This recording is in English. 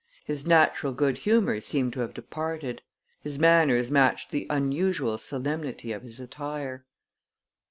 His natural good humor seemed to have departed. His manners matched the unusual solemnity of his attire.